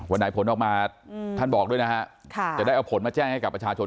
วันไหนผลออกมาท่านบอกด้วยนะฮะจะได้เอาผลมาแจ้งให้กับประชาชน